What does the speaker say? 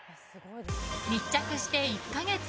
密着して１か月。